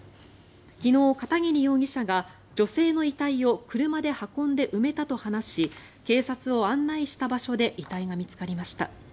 昨日、片桐容疑者が女性の遺体を車で運んで埋めたと話し警察を案内した場所で遺体が見つかりました。